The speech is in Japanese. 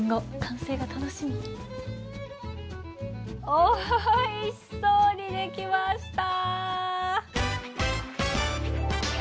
おいしそうにできました。